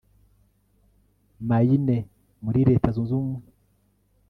maine muri leta zunze ubumwe